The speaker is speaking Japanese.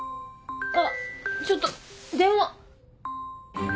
あっちょっと電話。